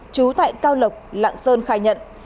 trú tại cao lộc lạng sơn khai nhận